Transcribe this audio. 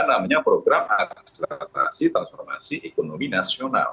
namanya program administrasi transformasi ekonomi nasional